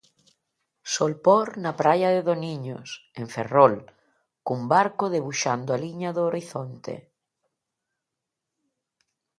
Solpor na praia de Doniños, en Ferrol, cun barco debuxando a liña do horizonte.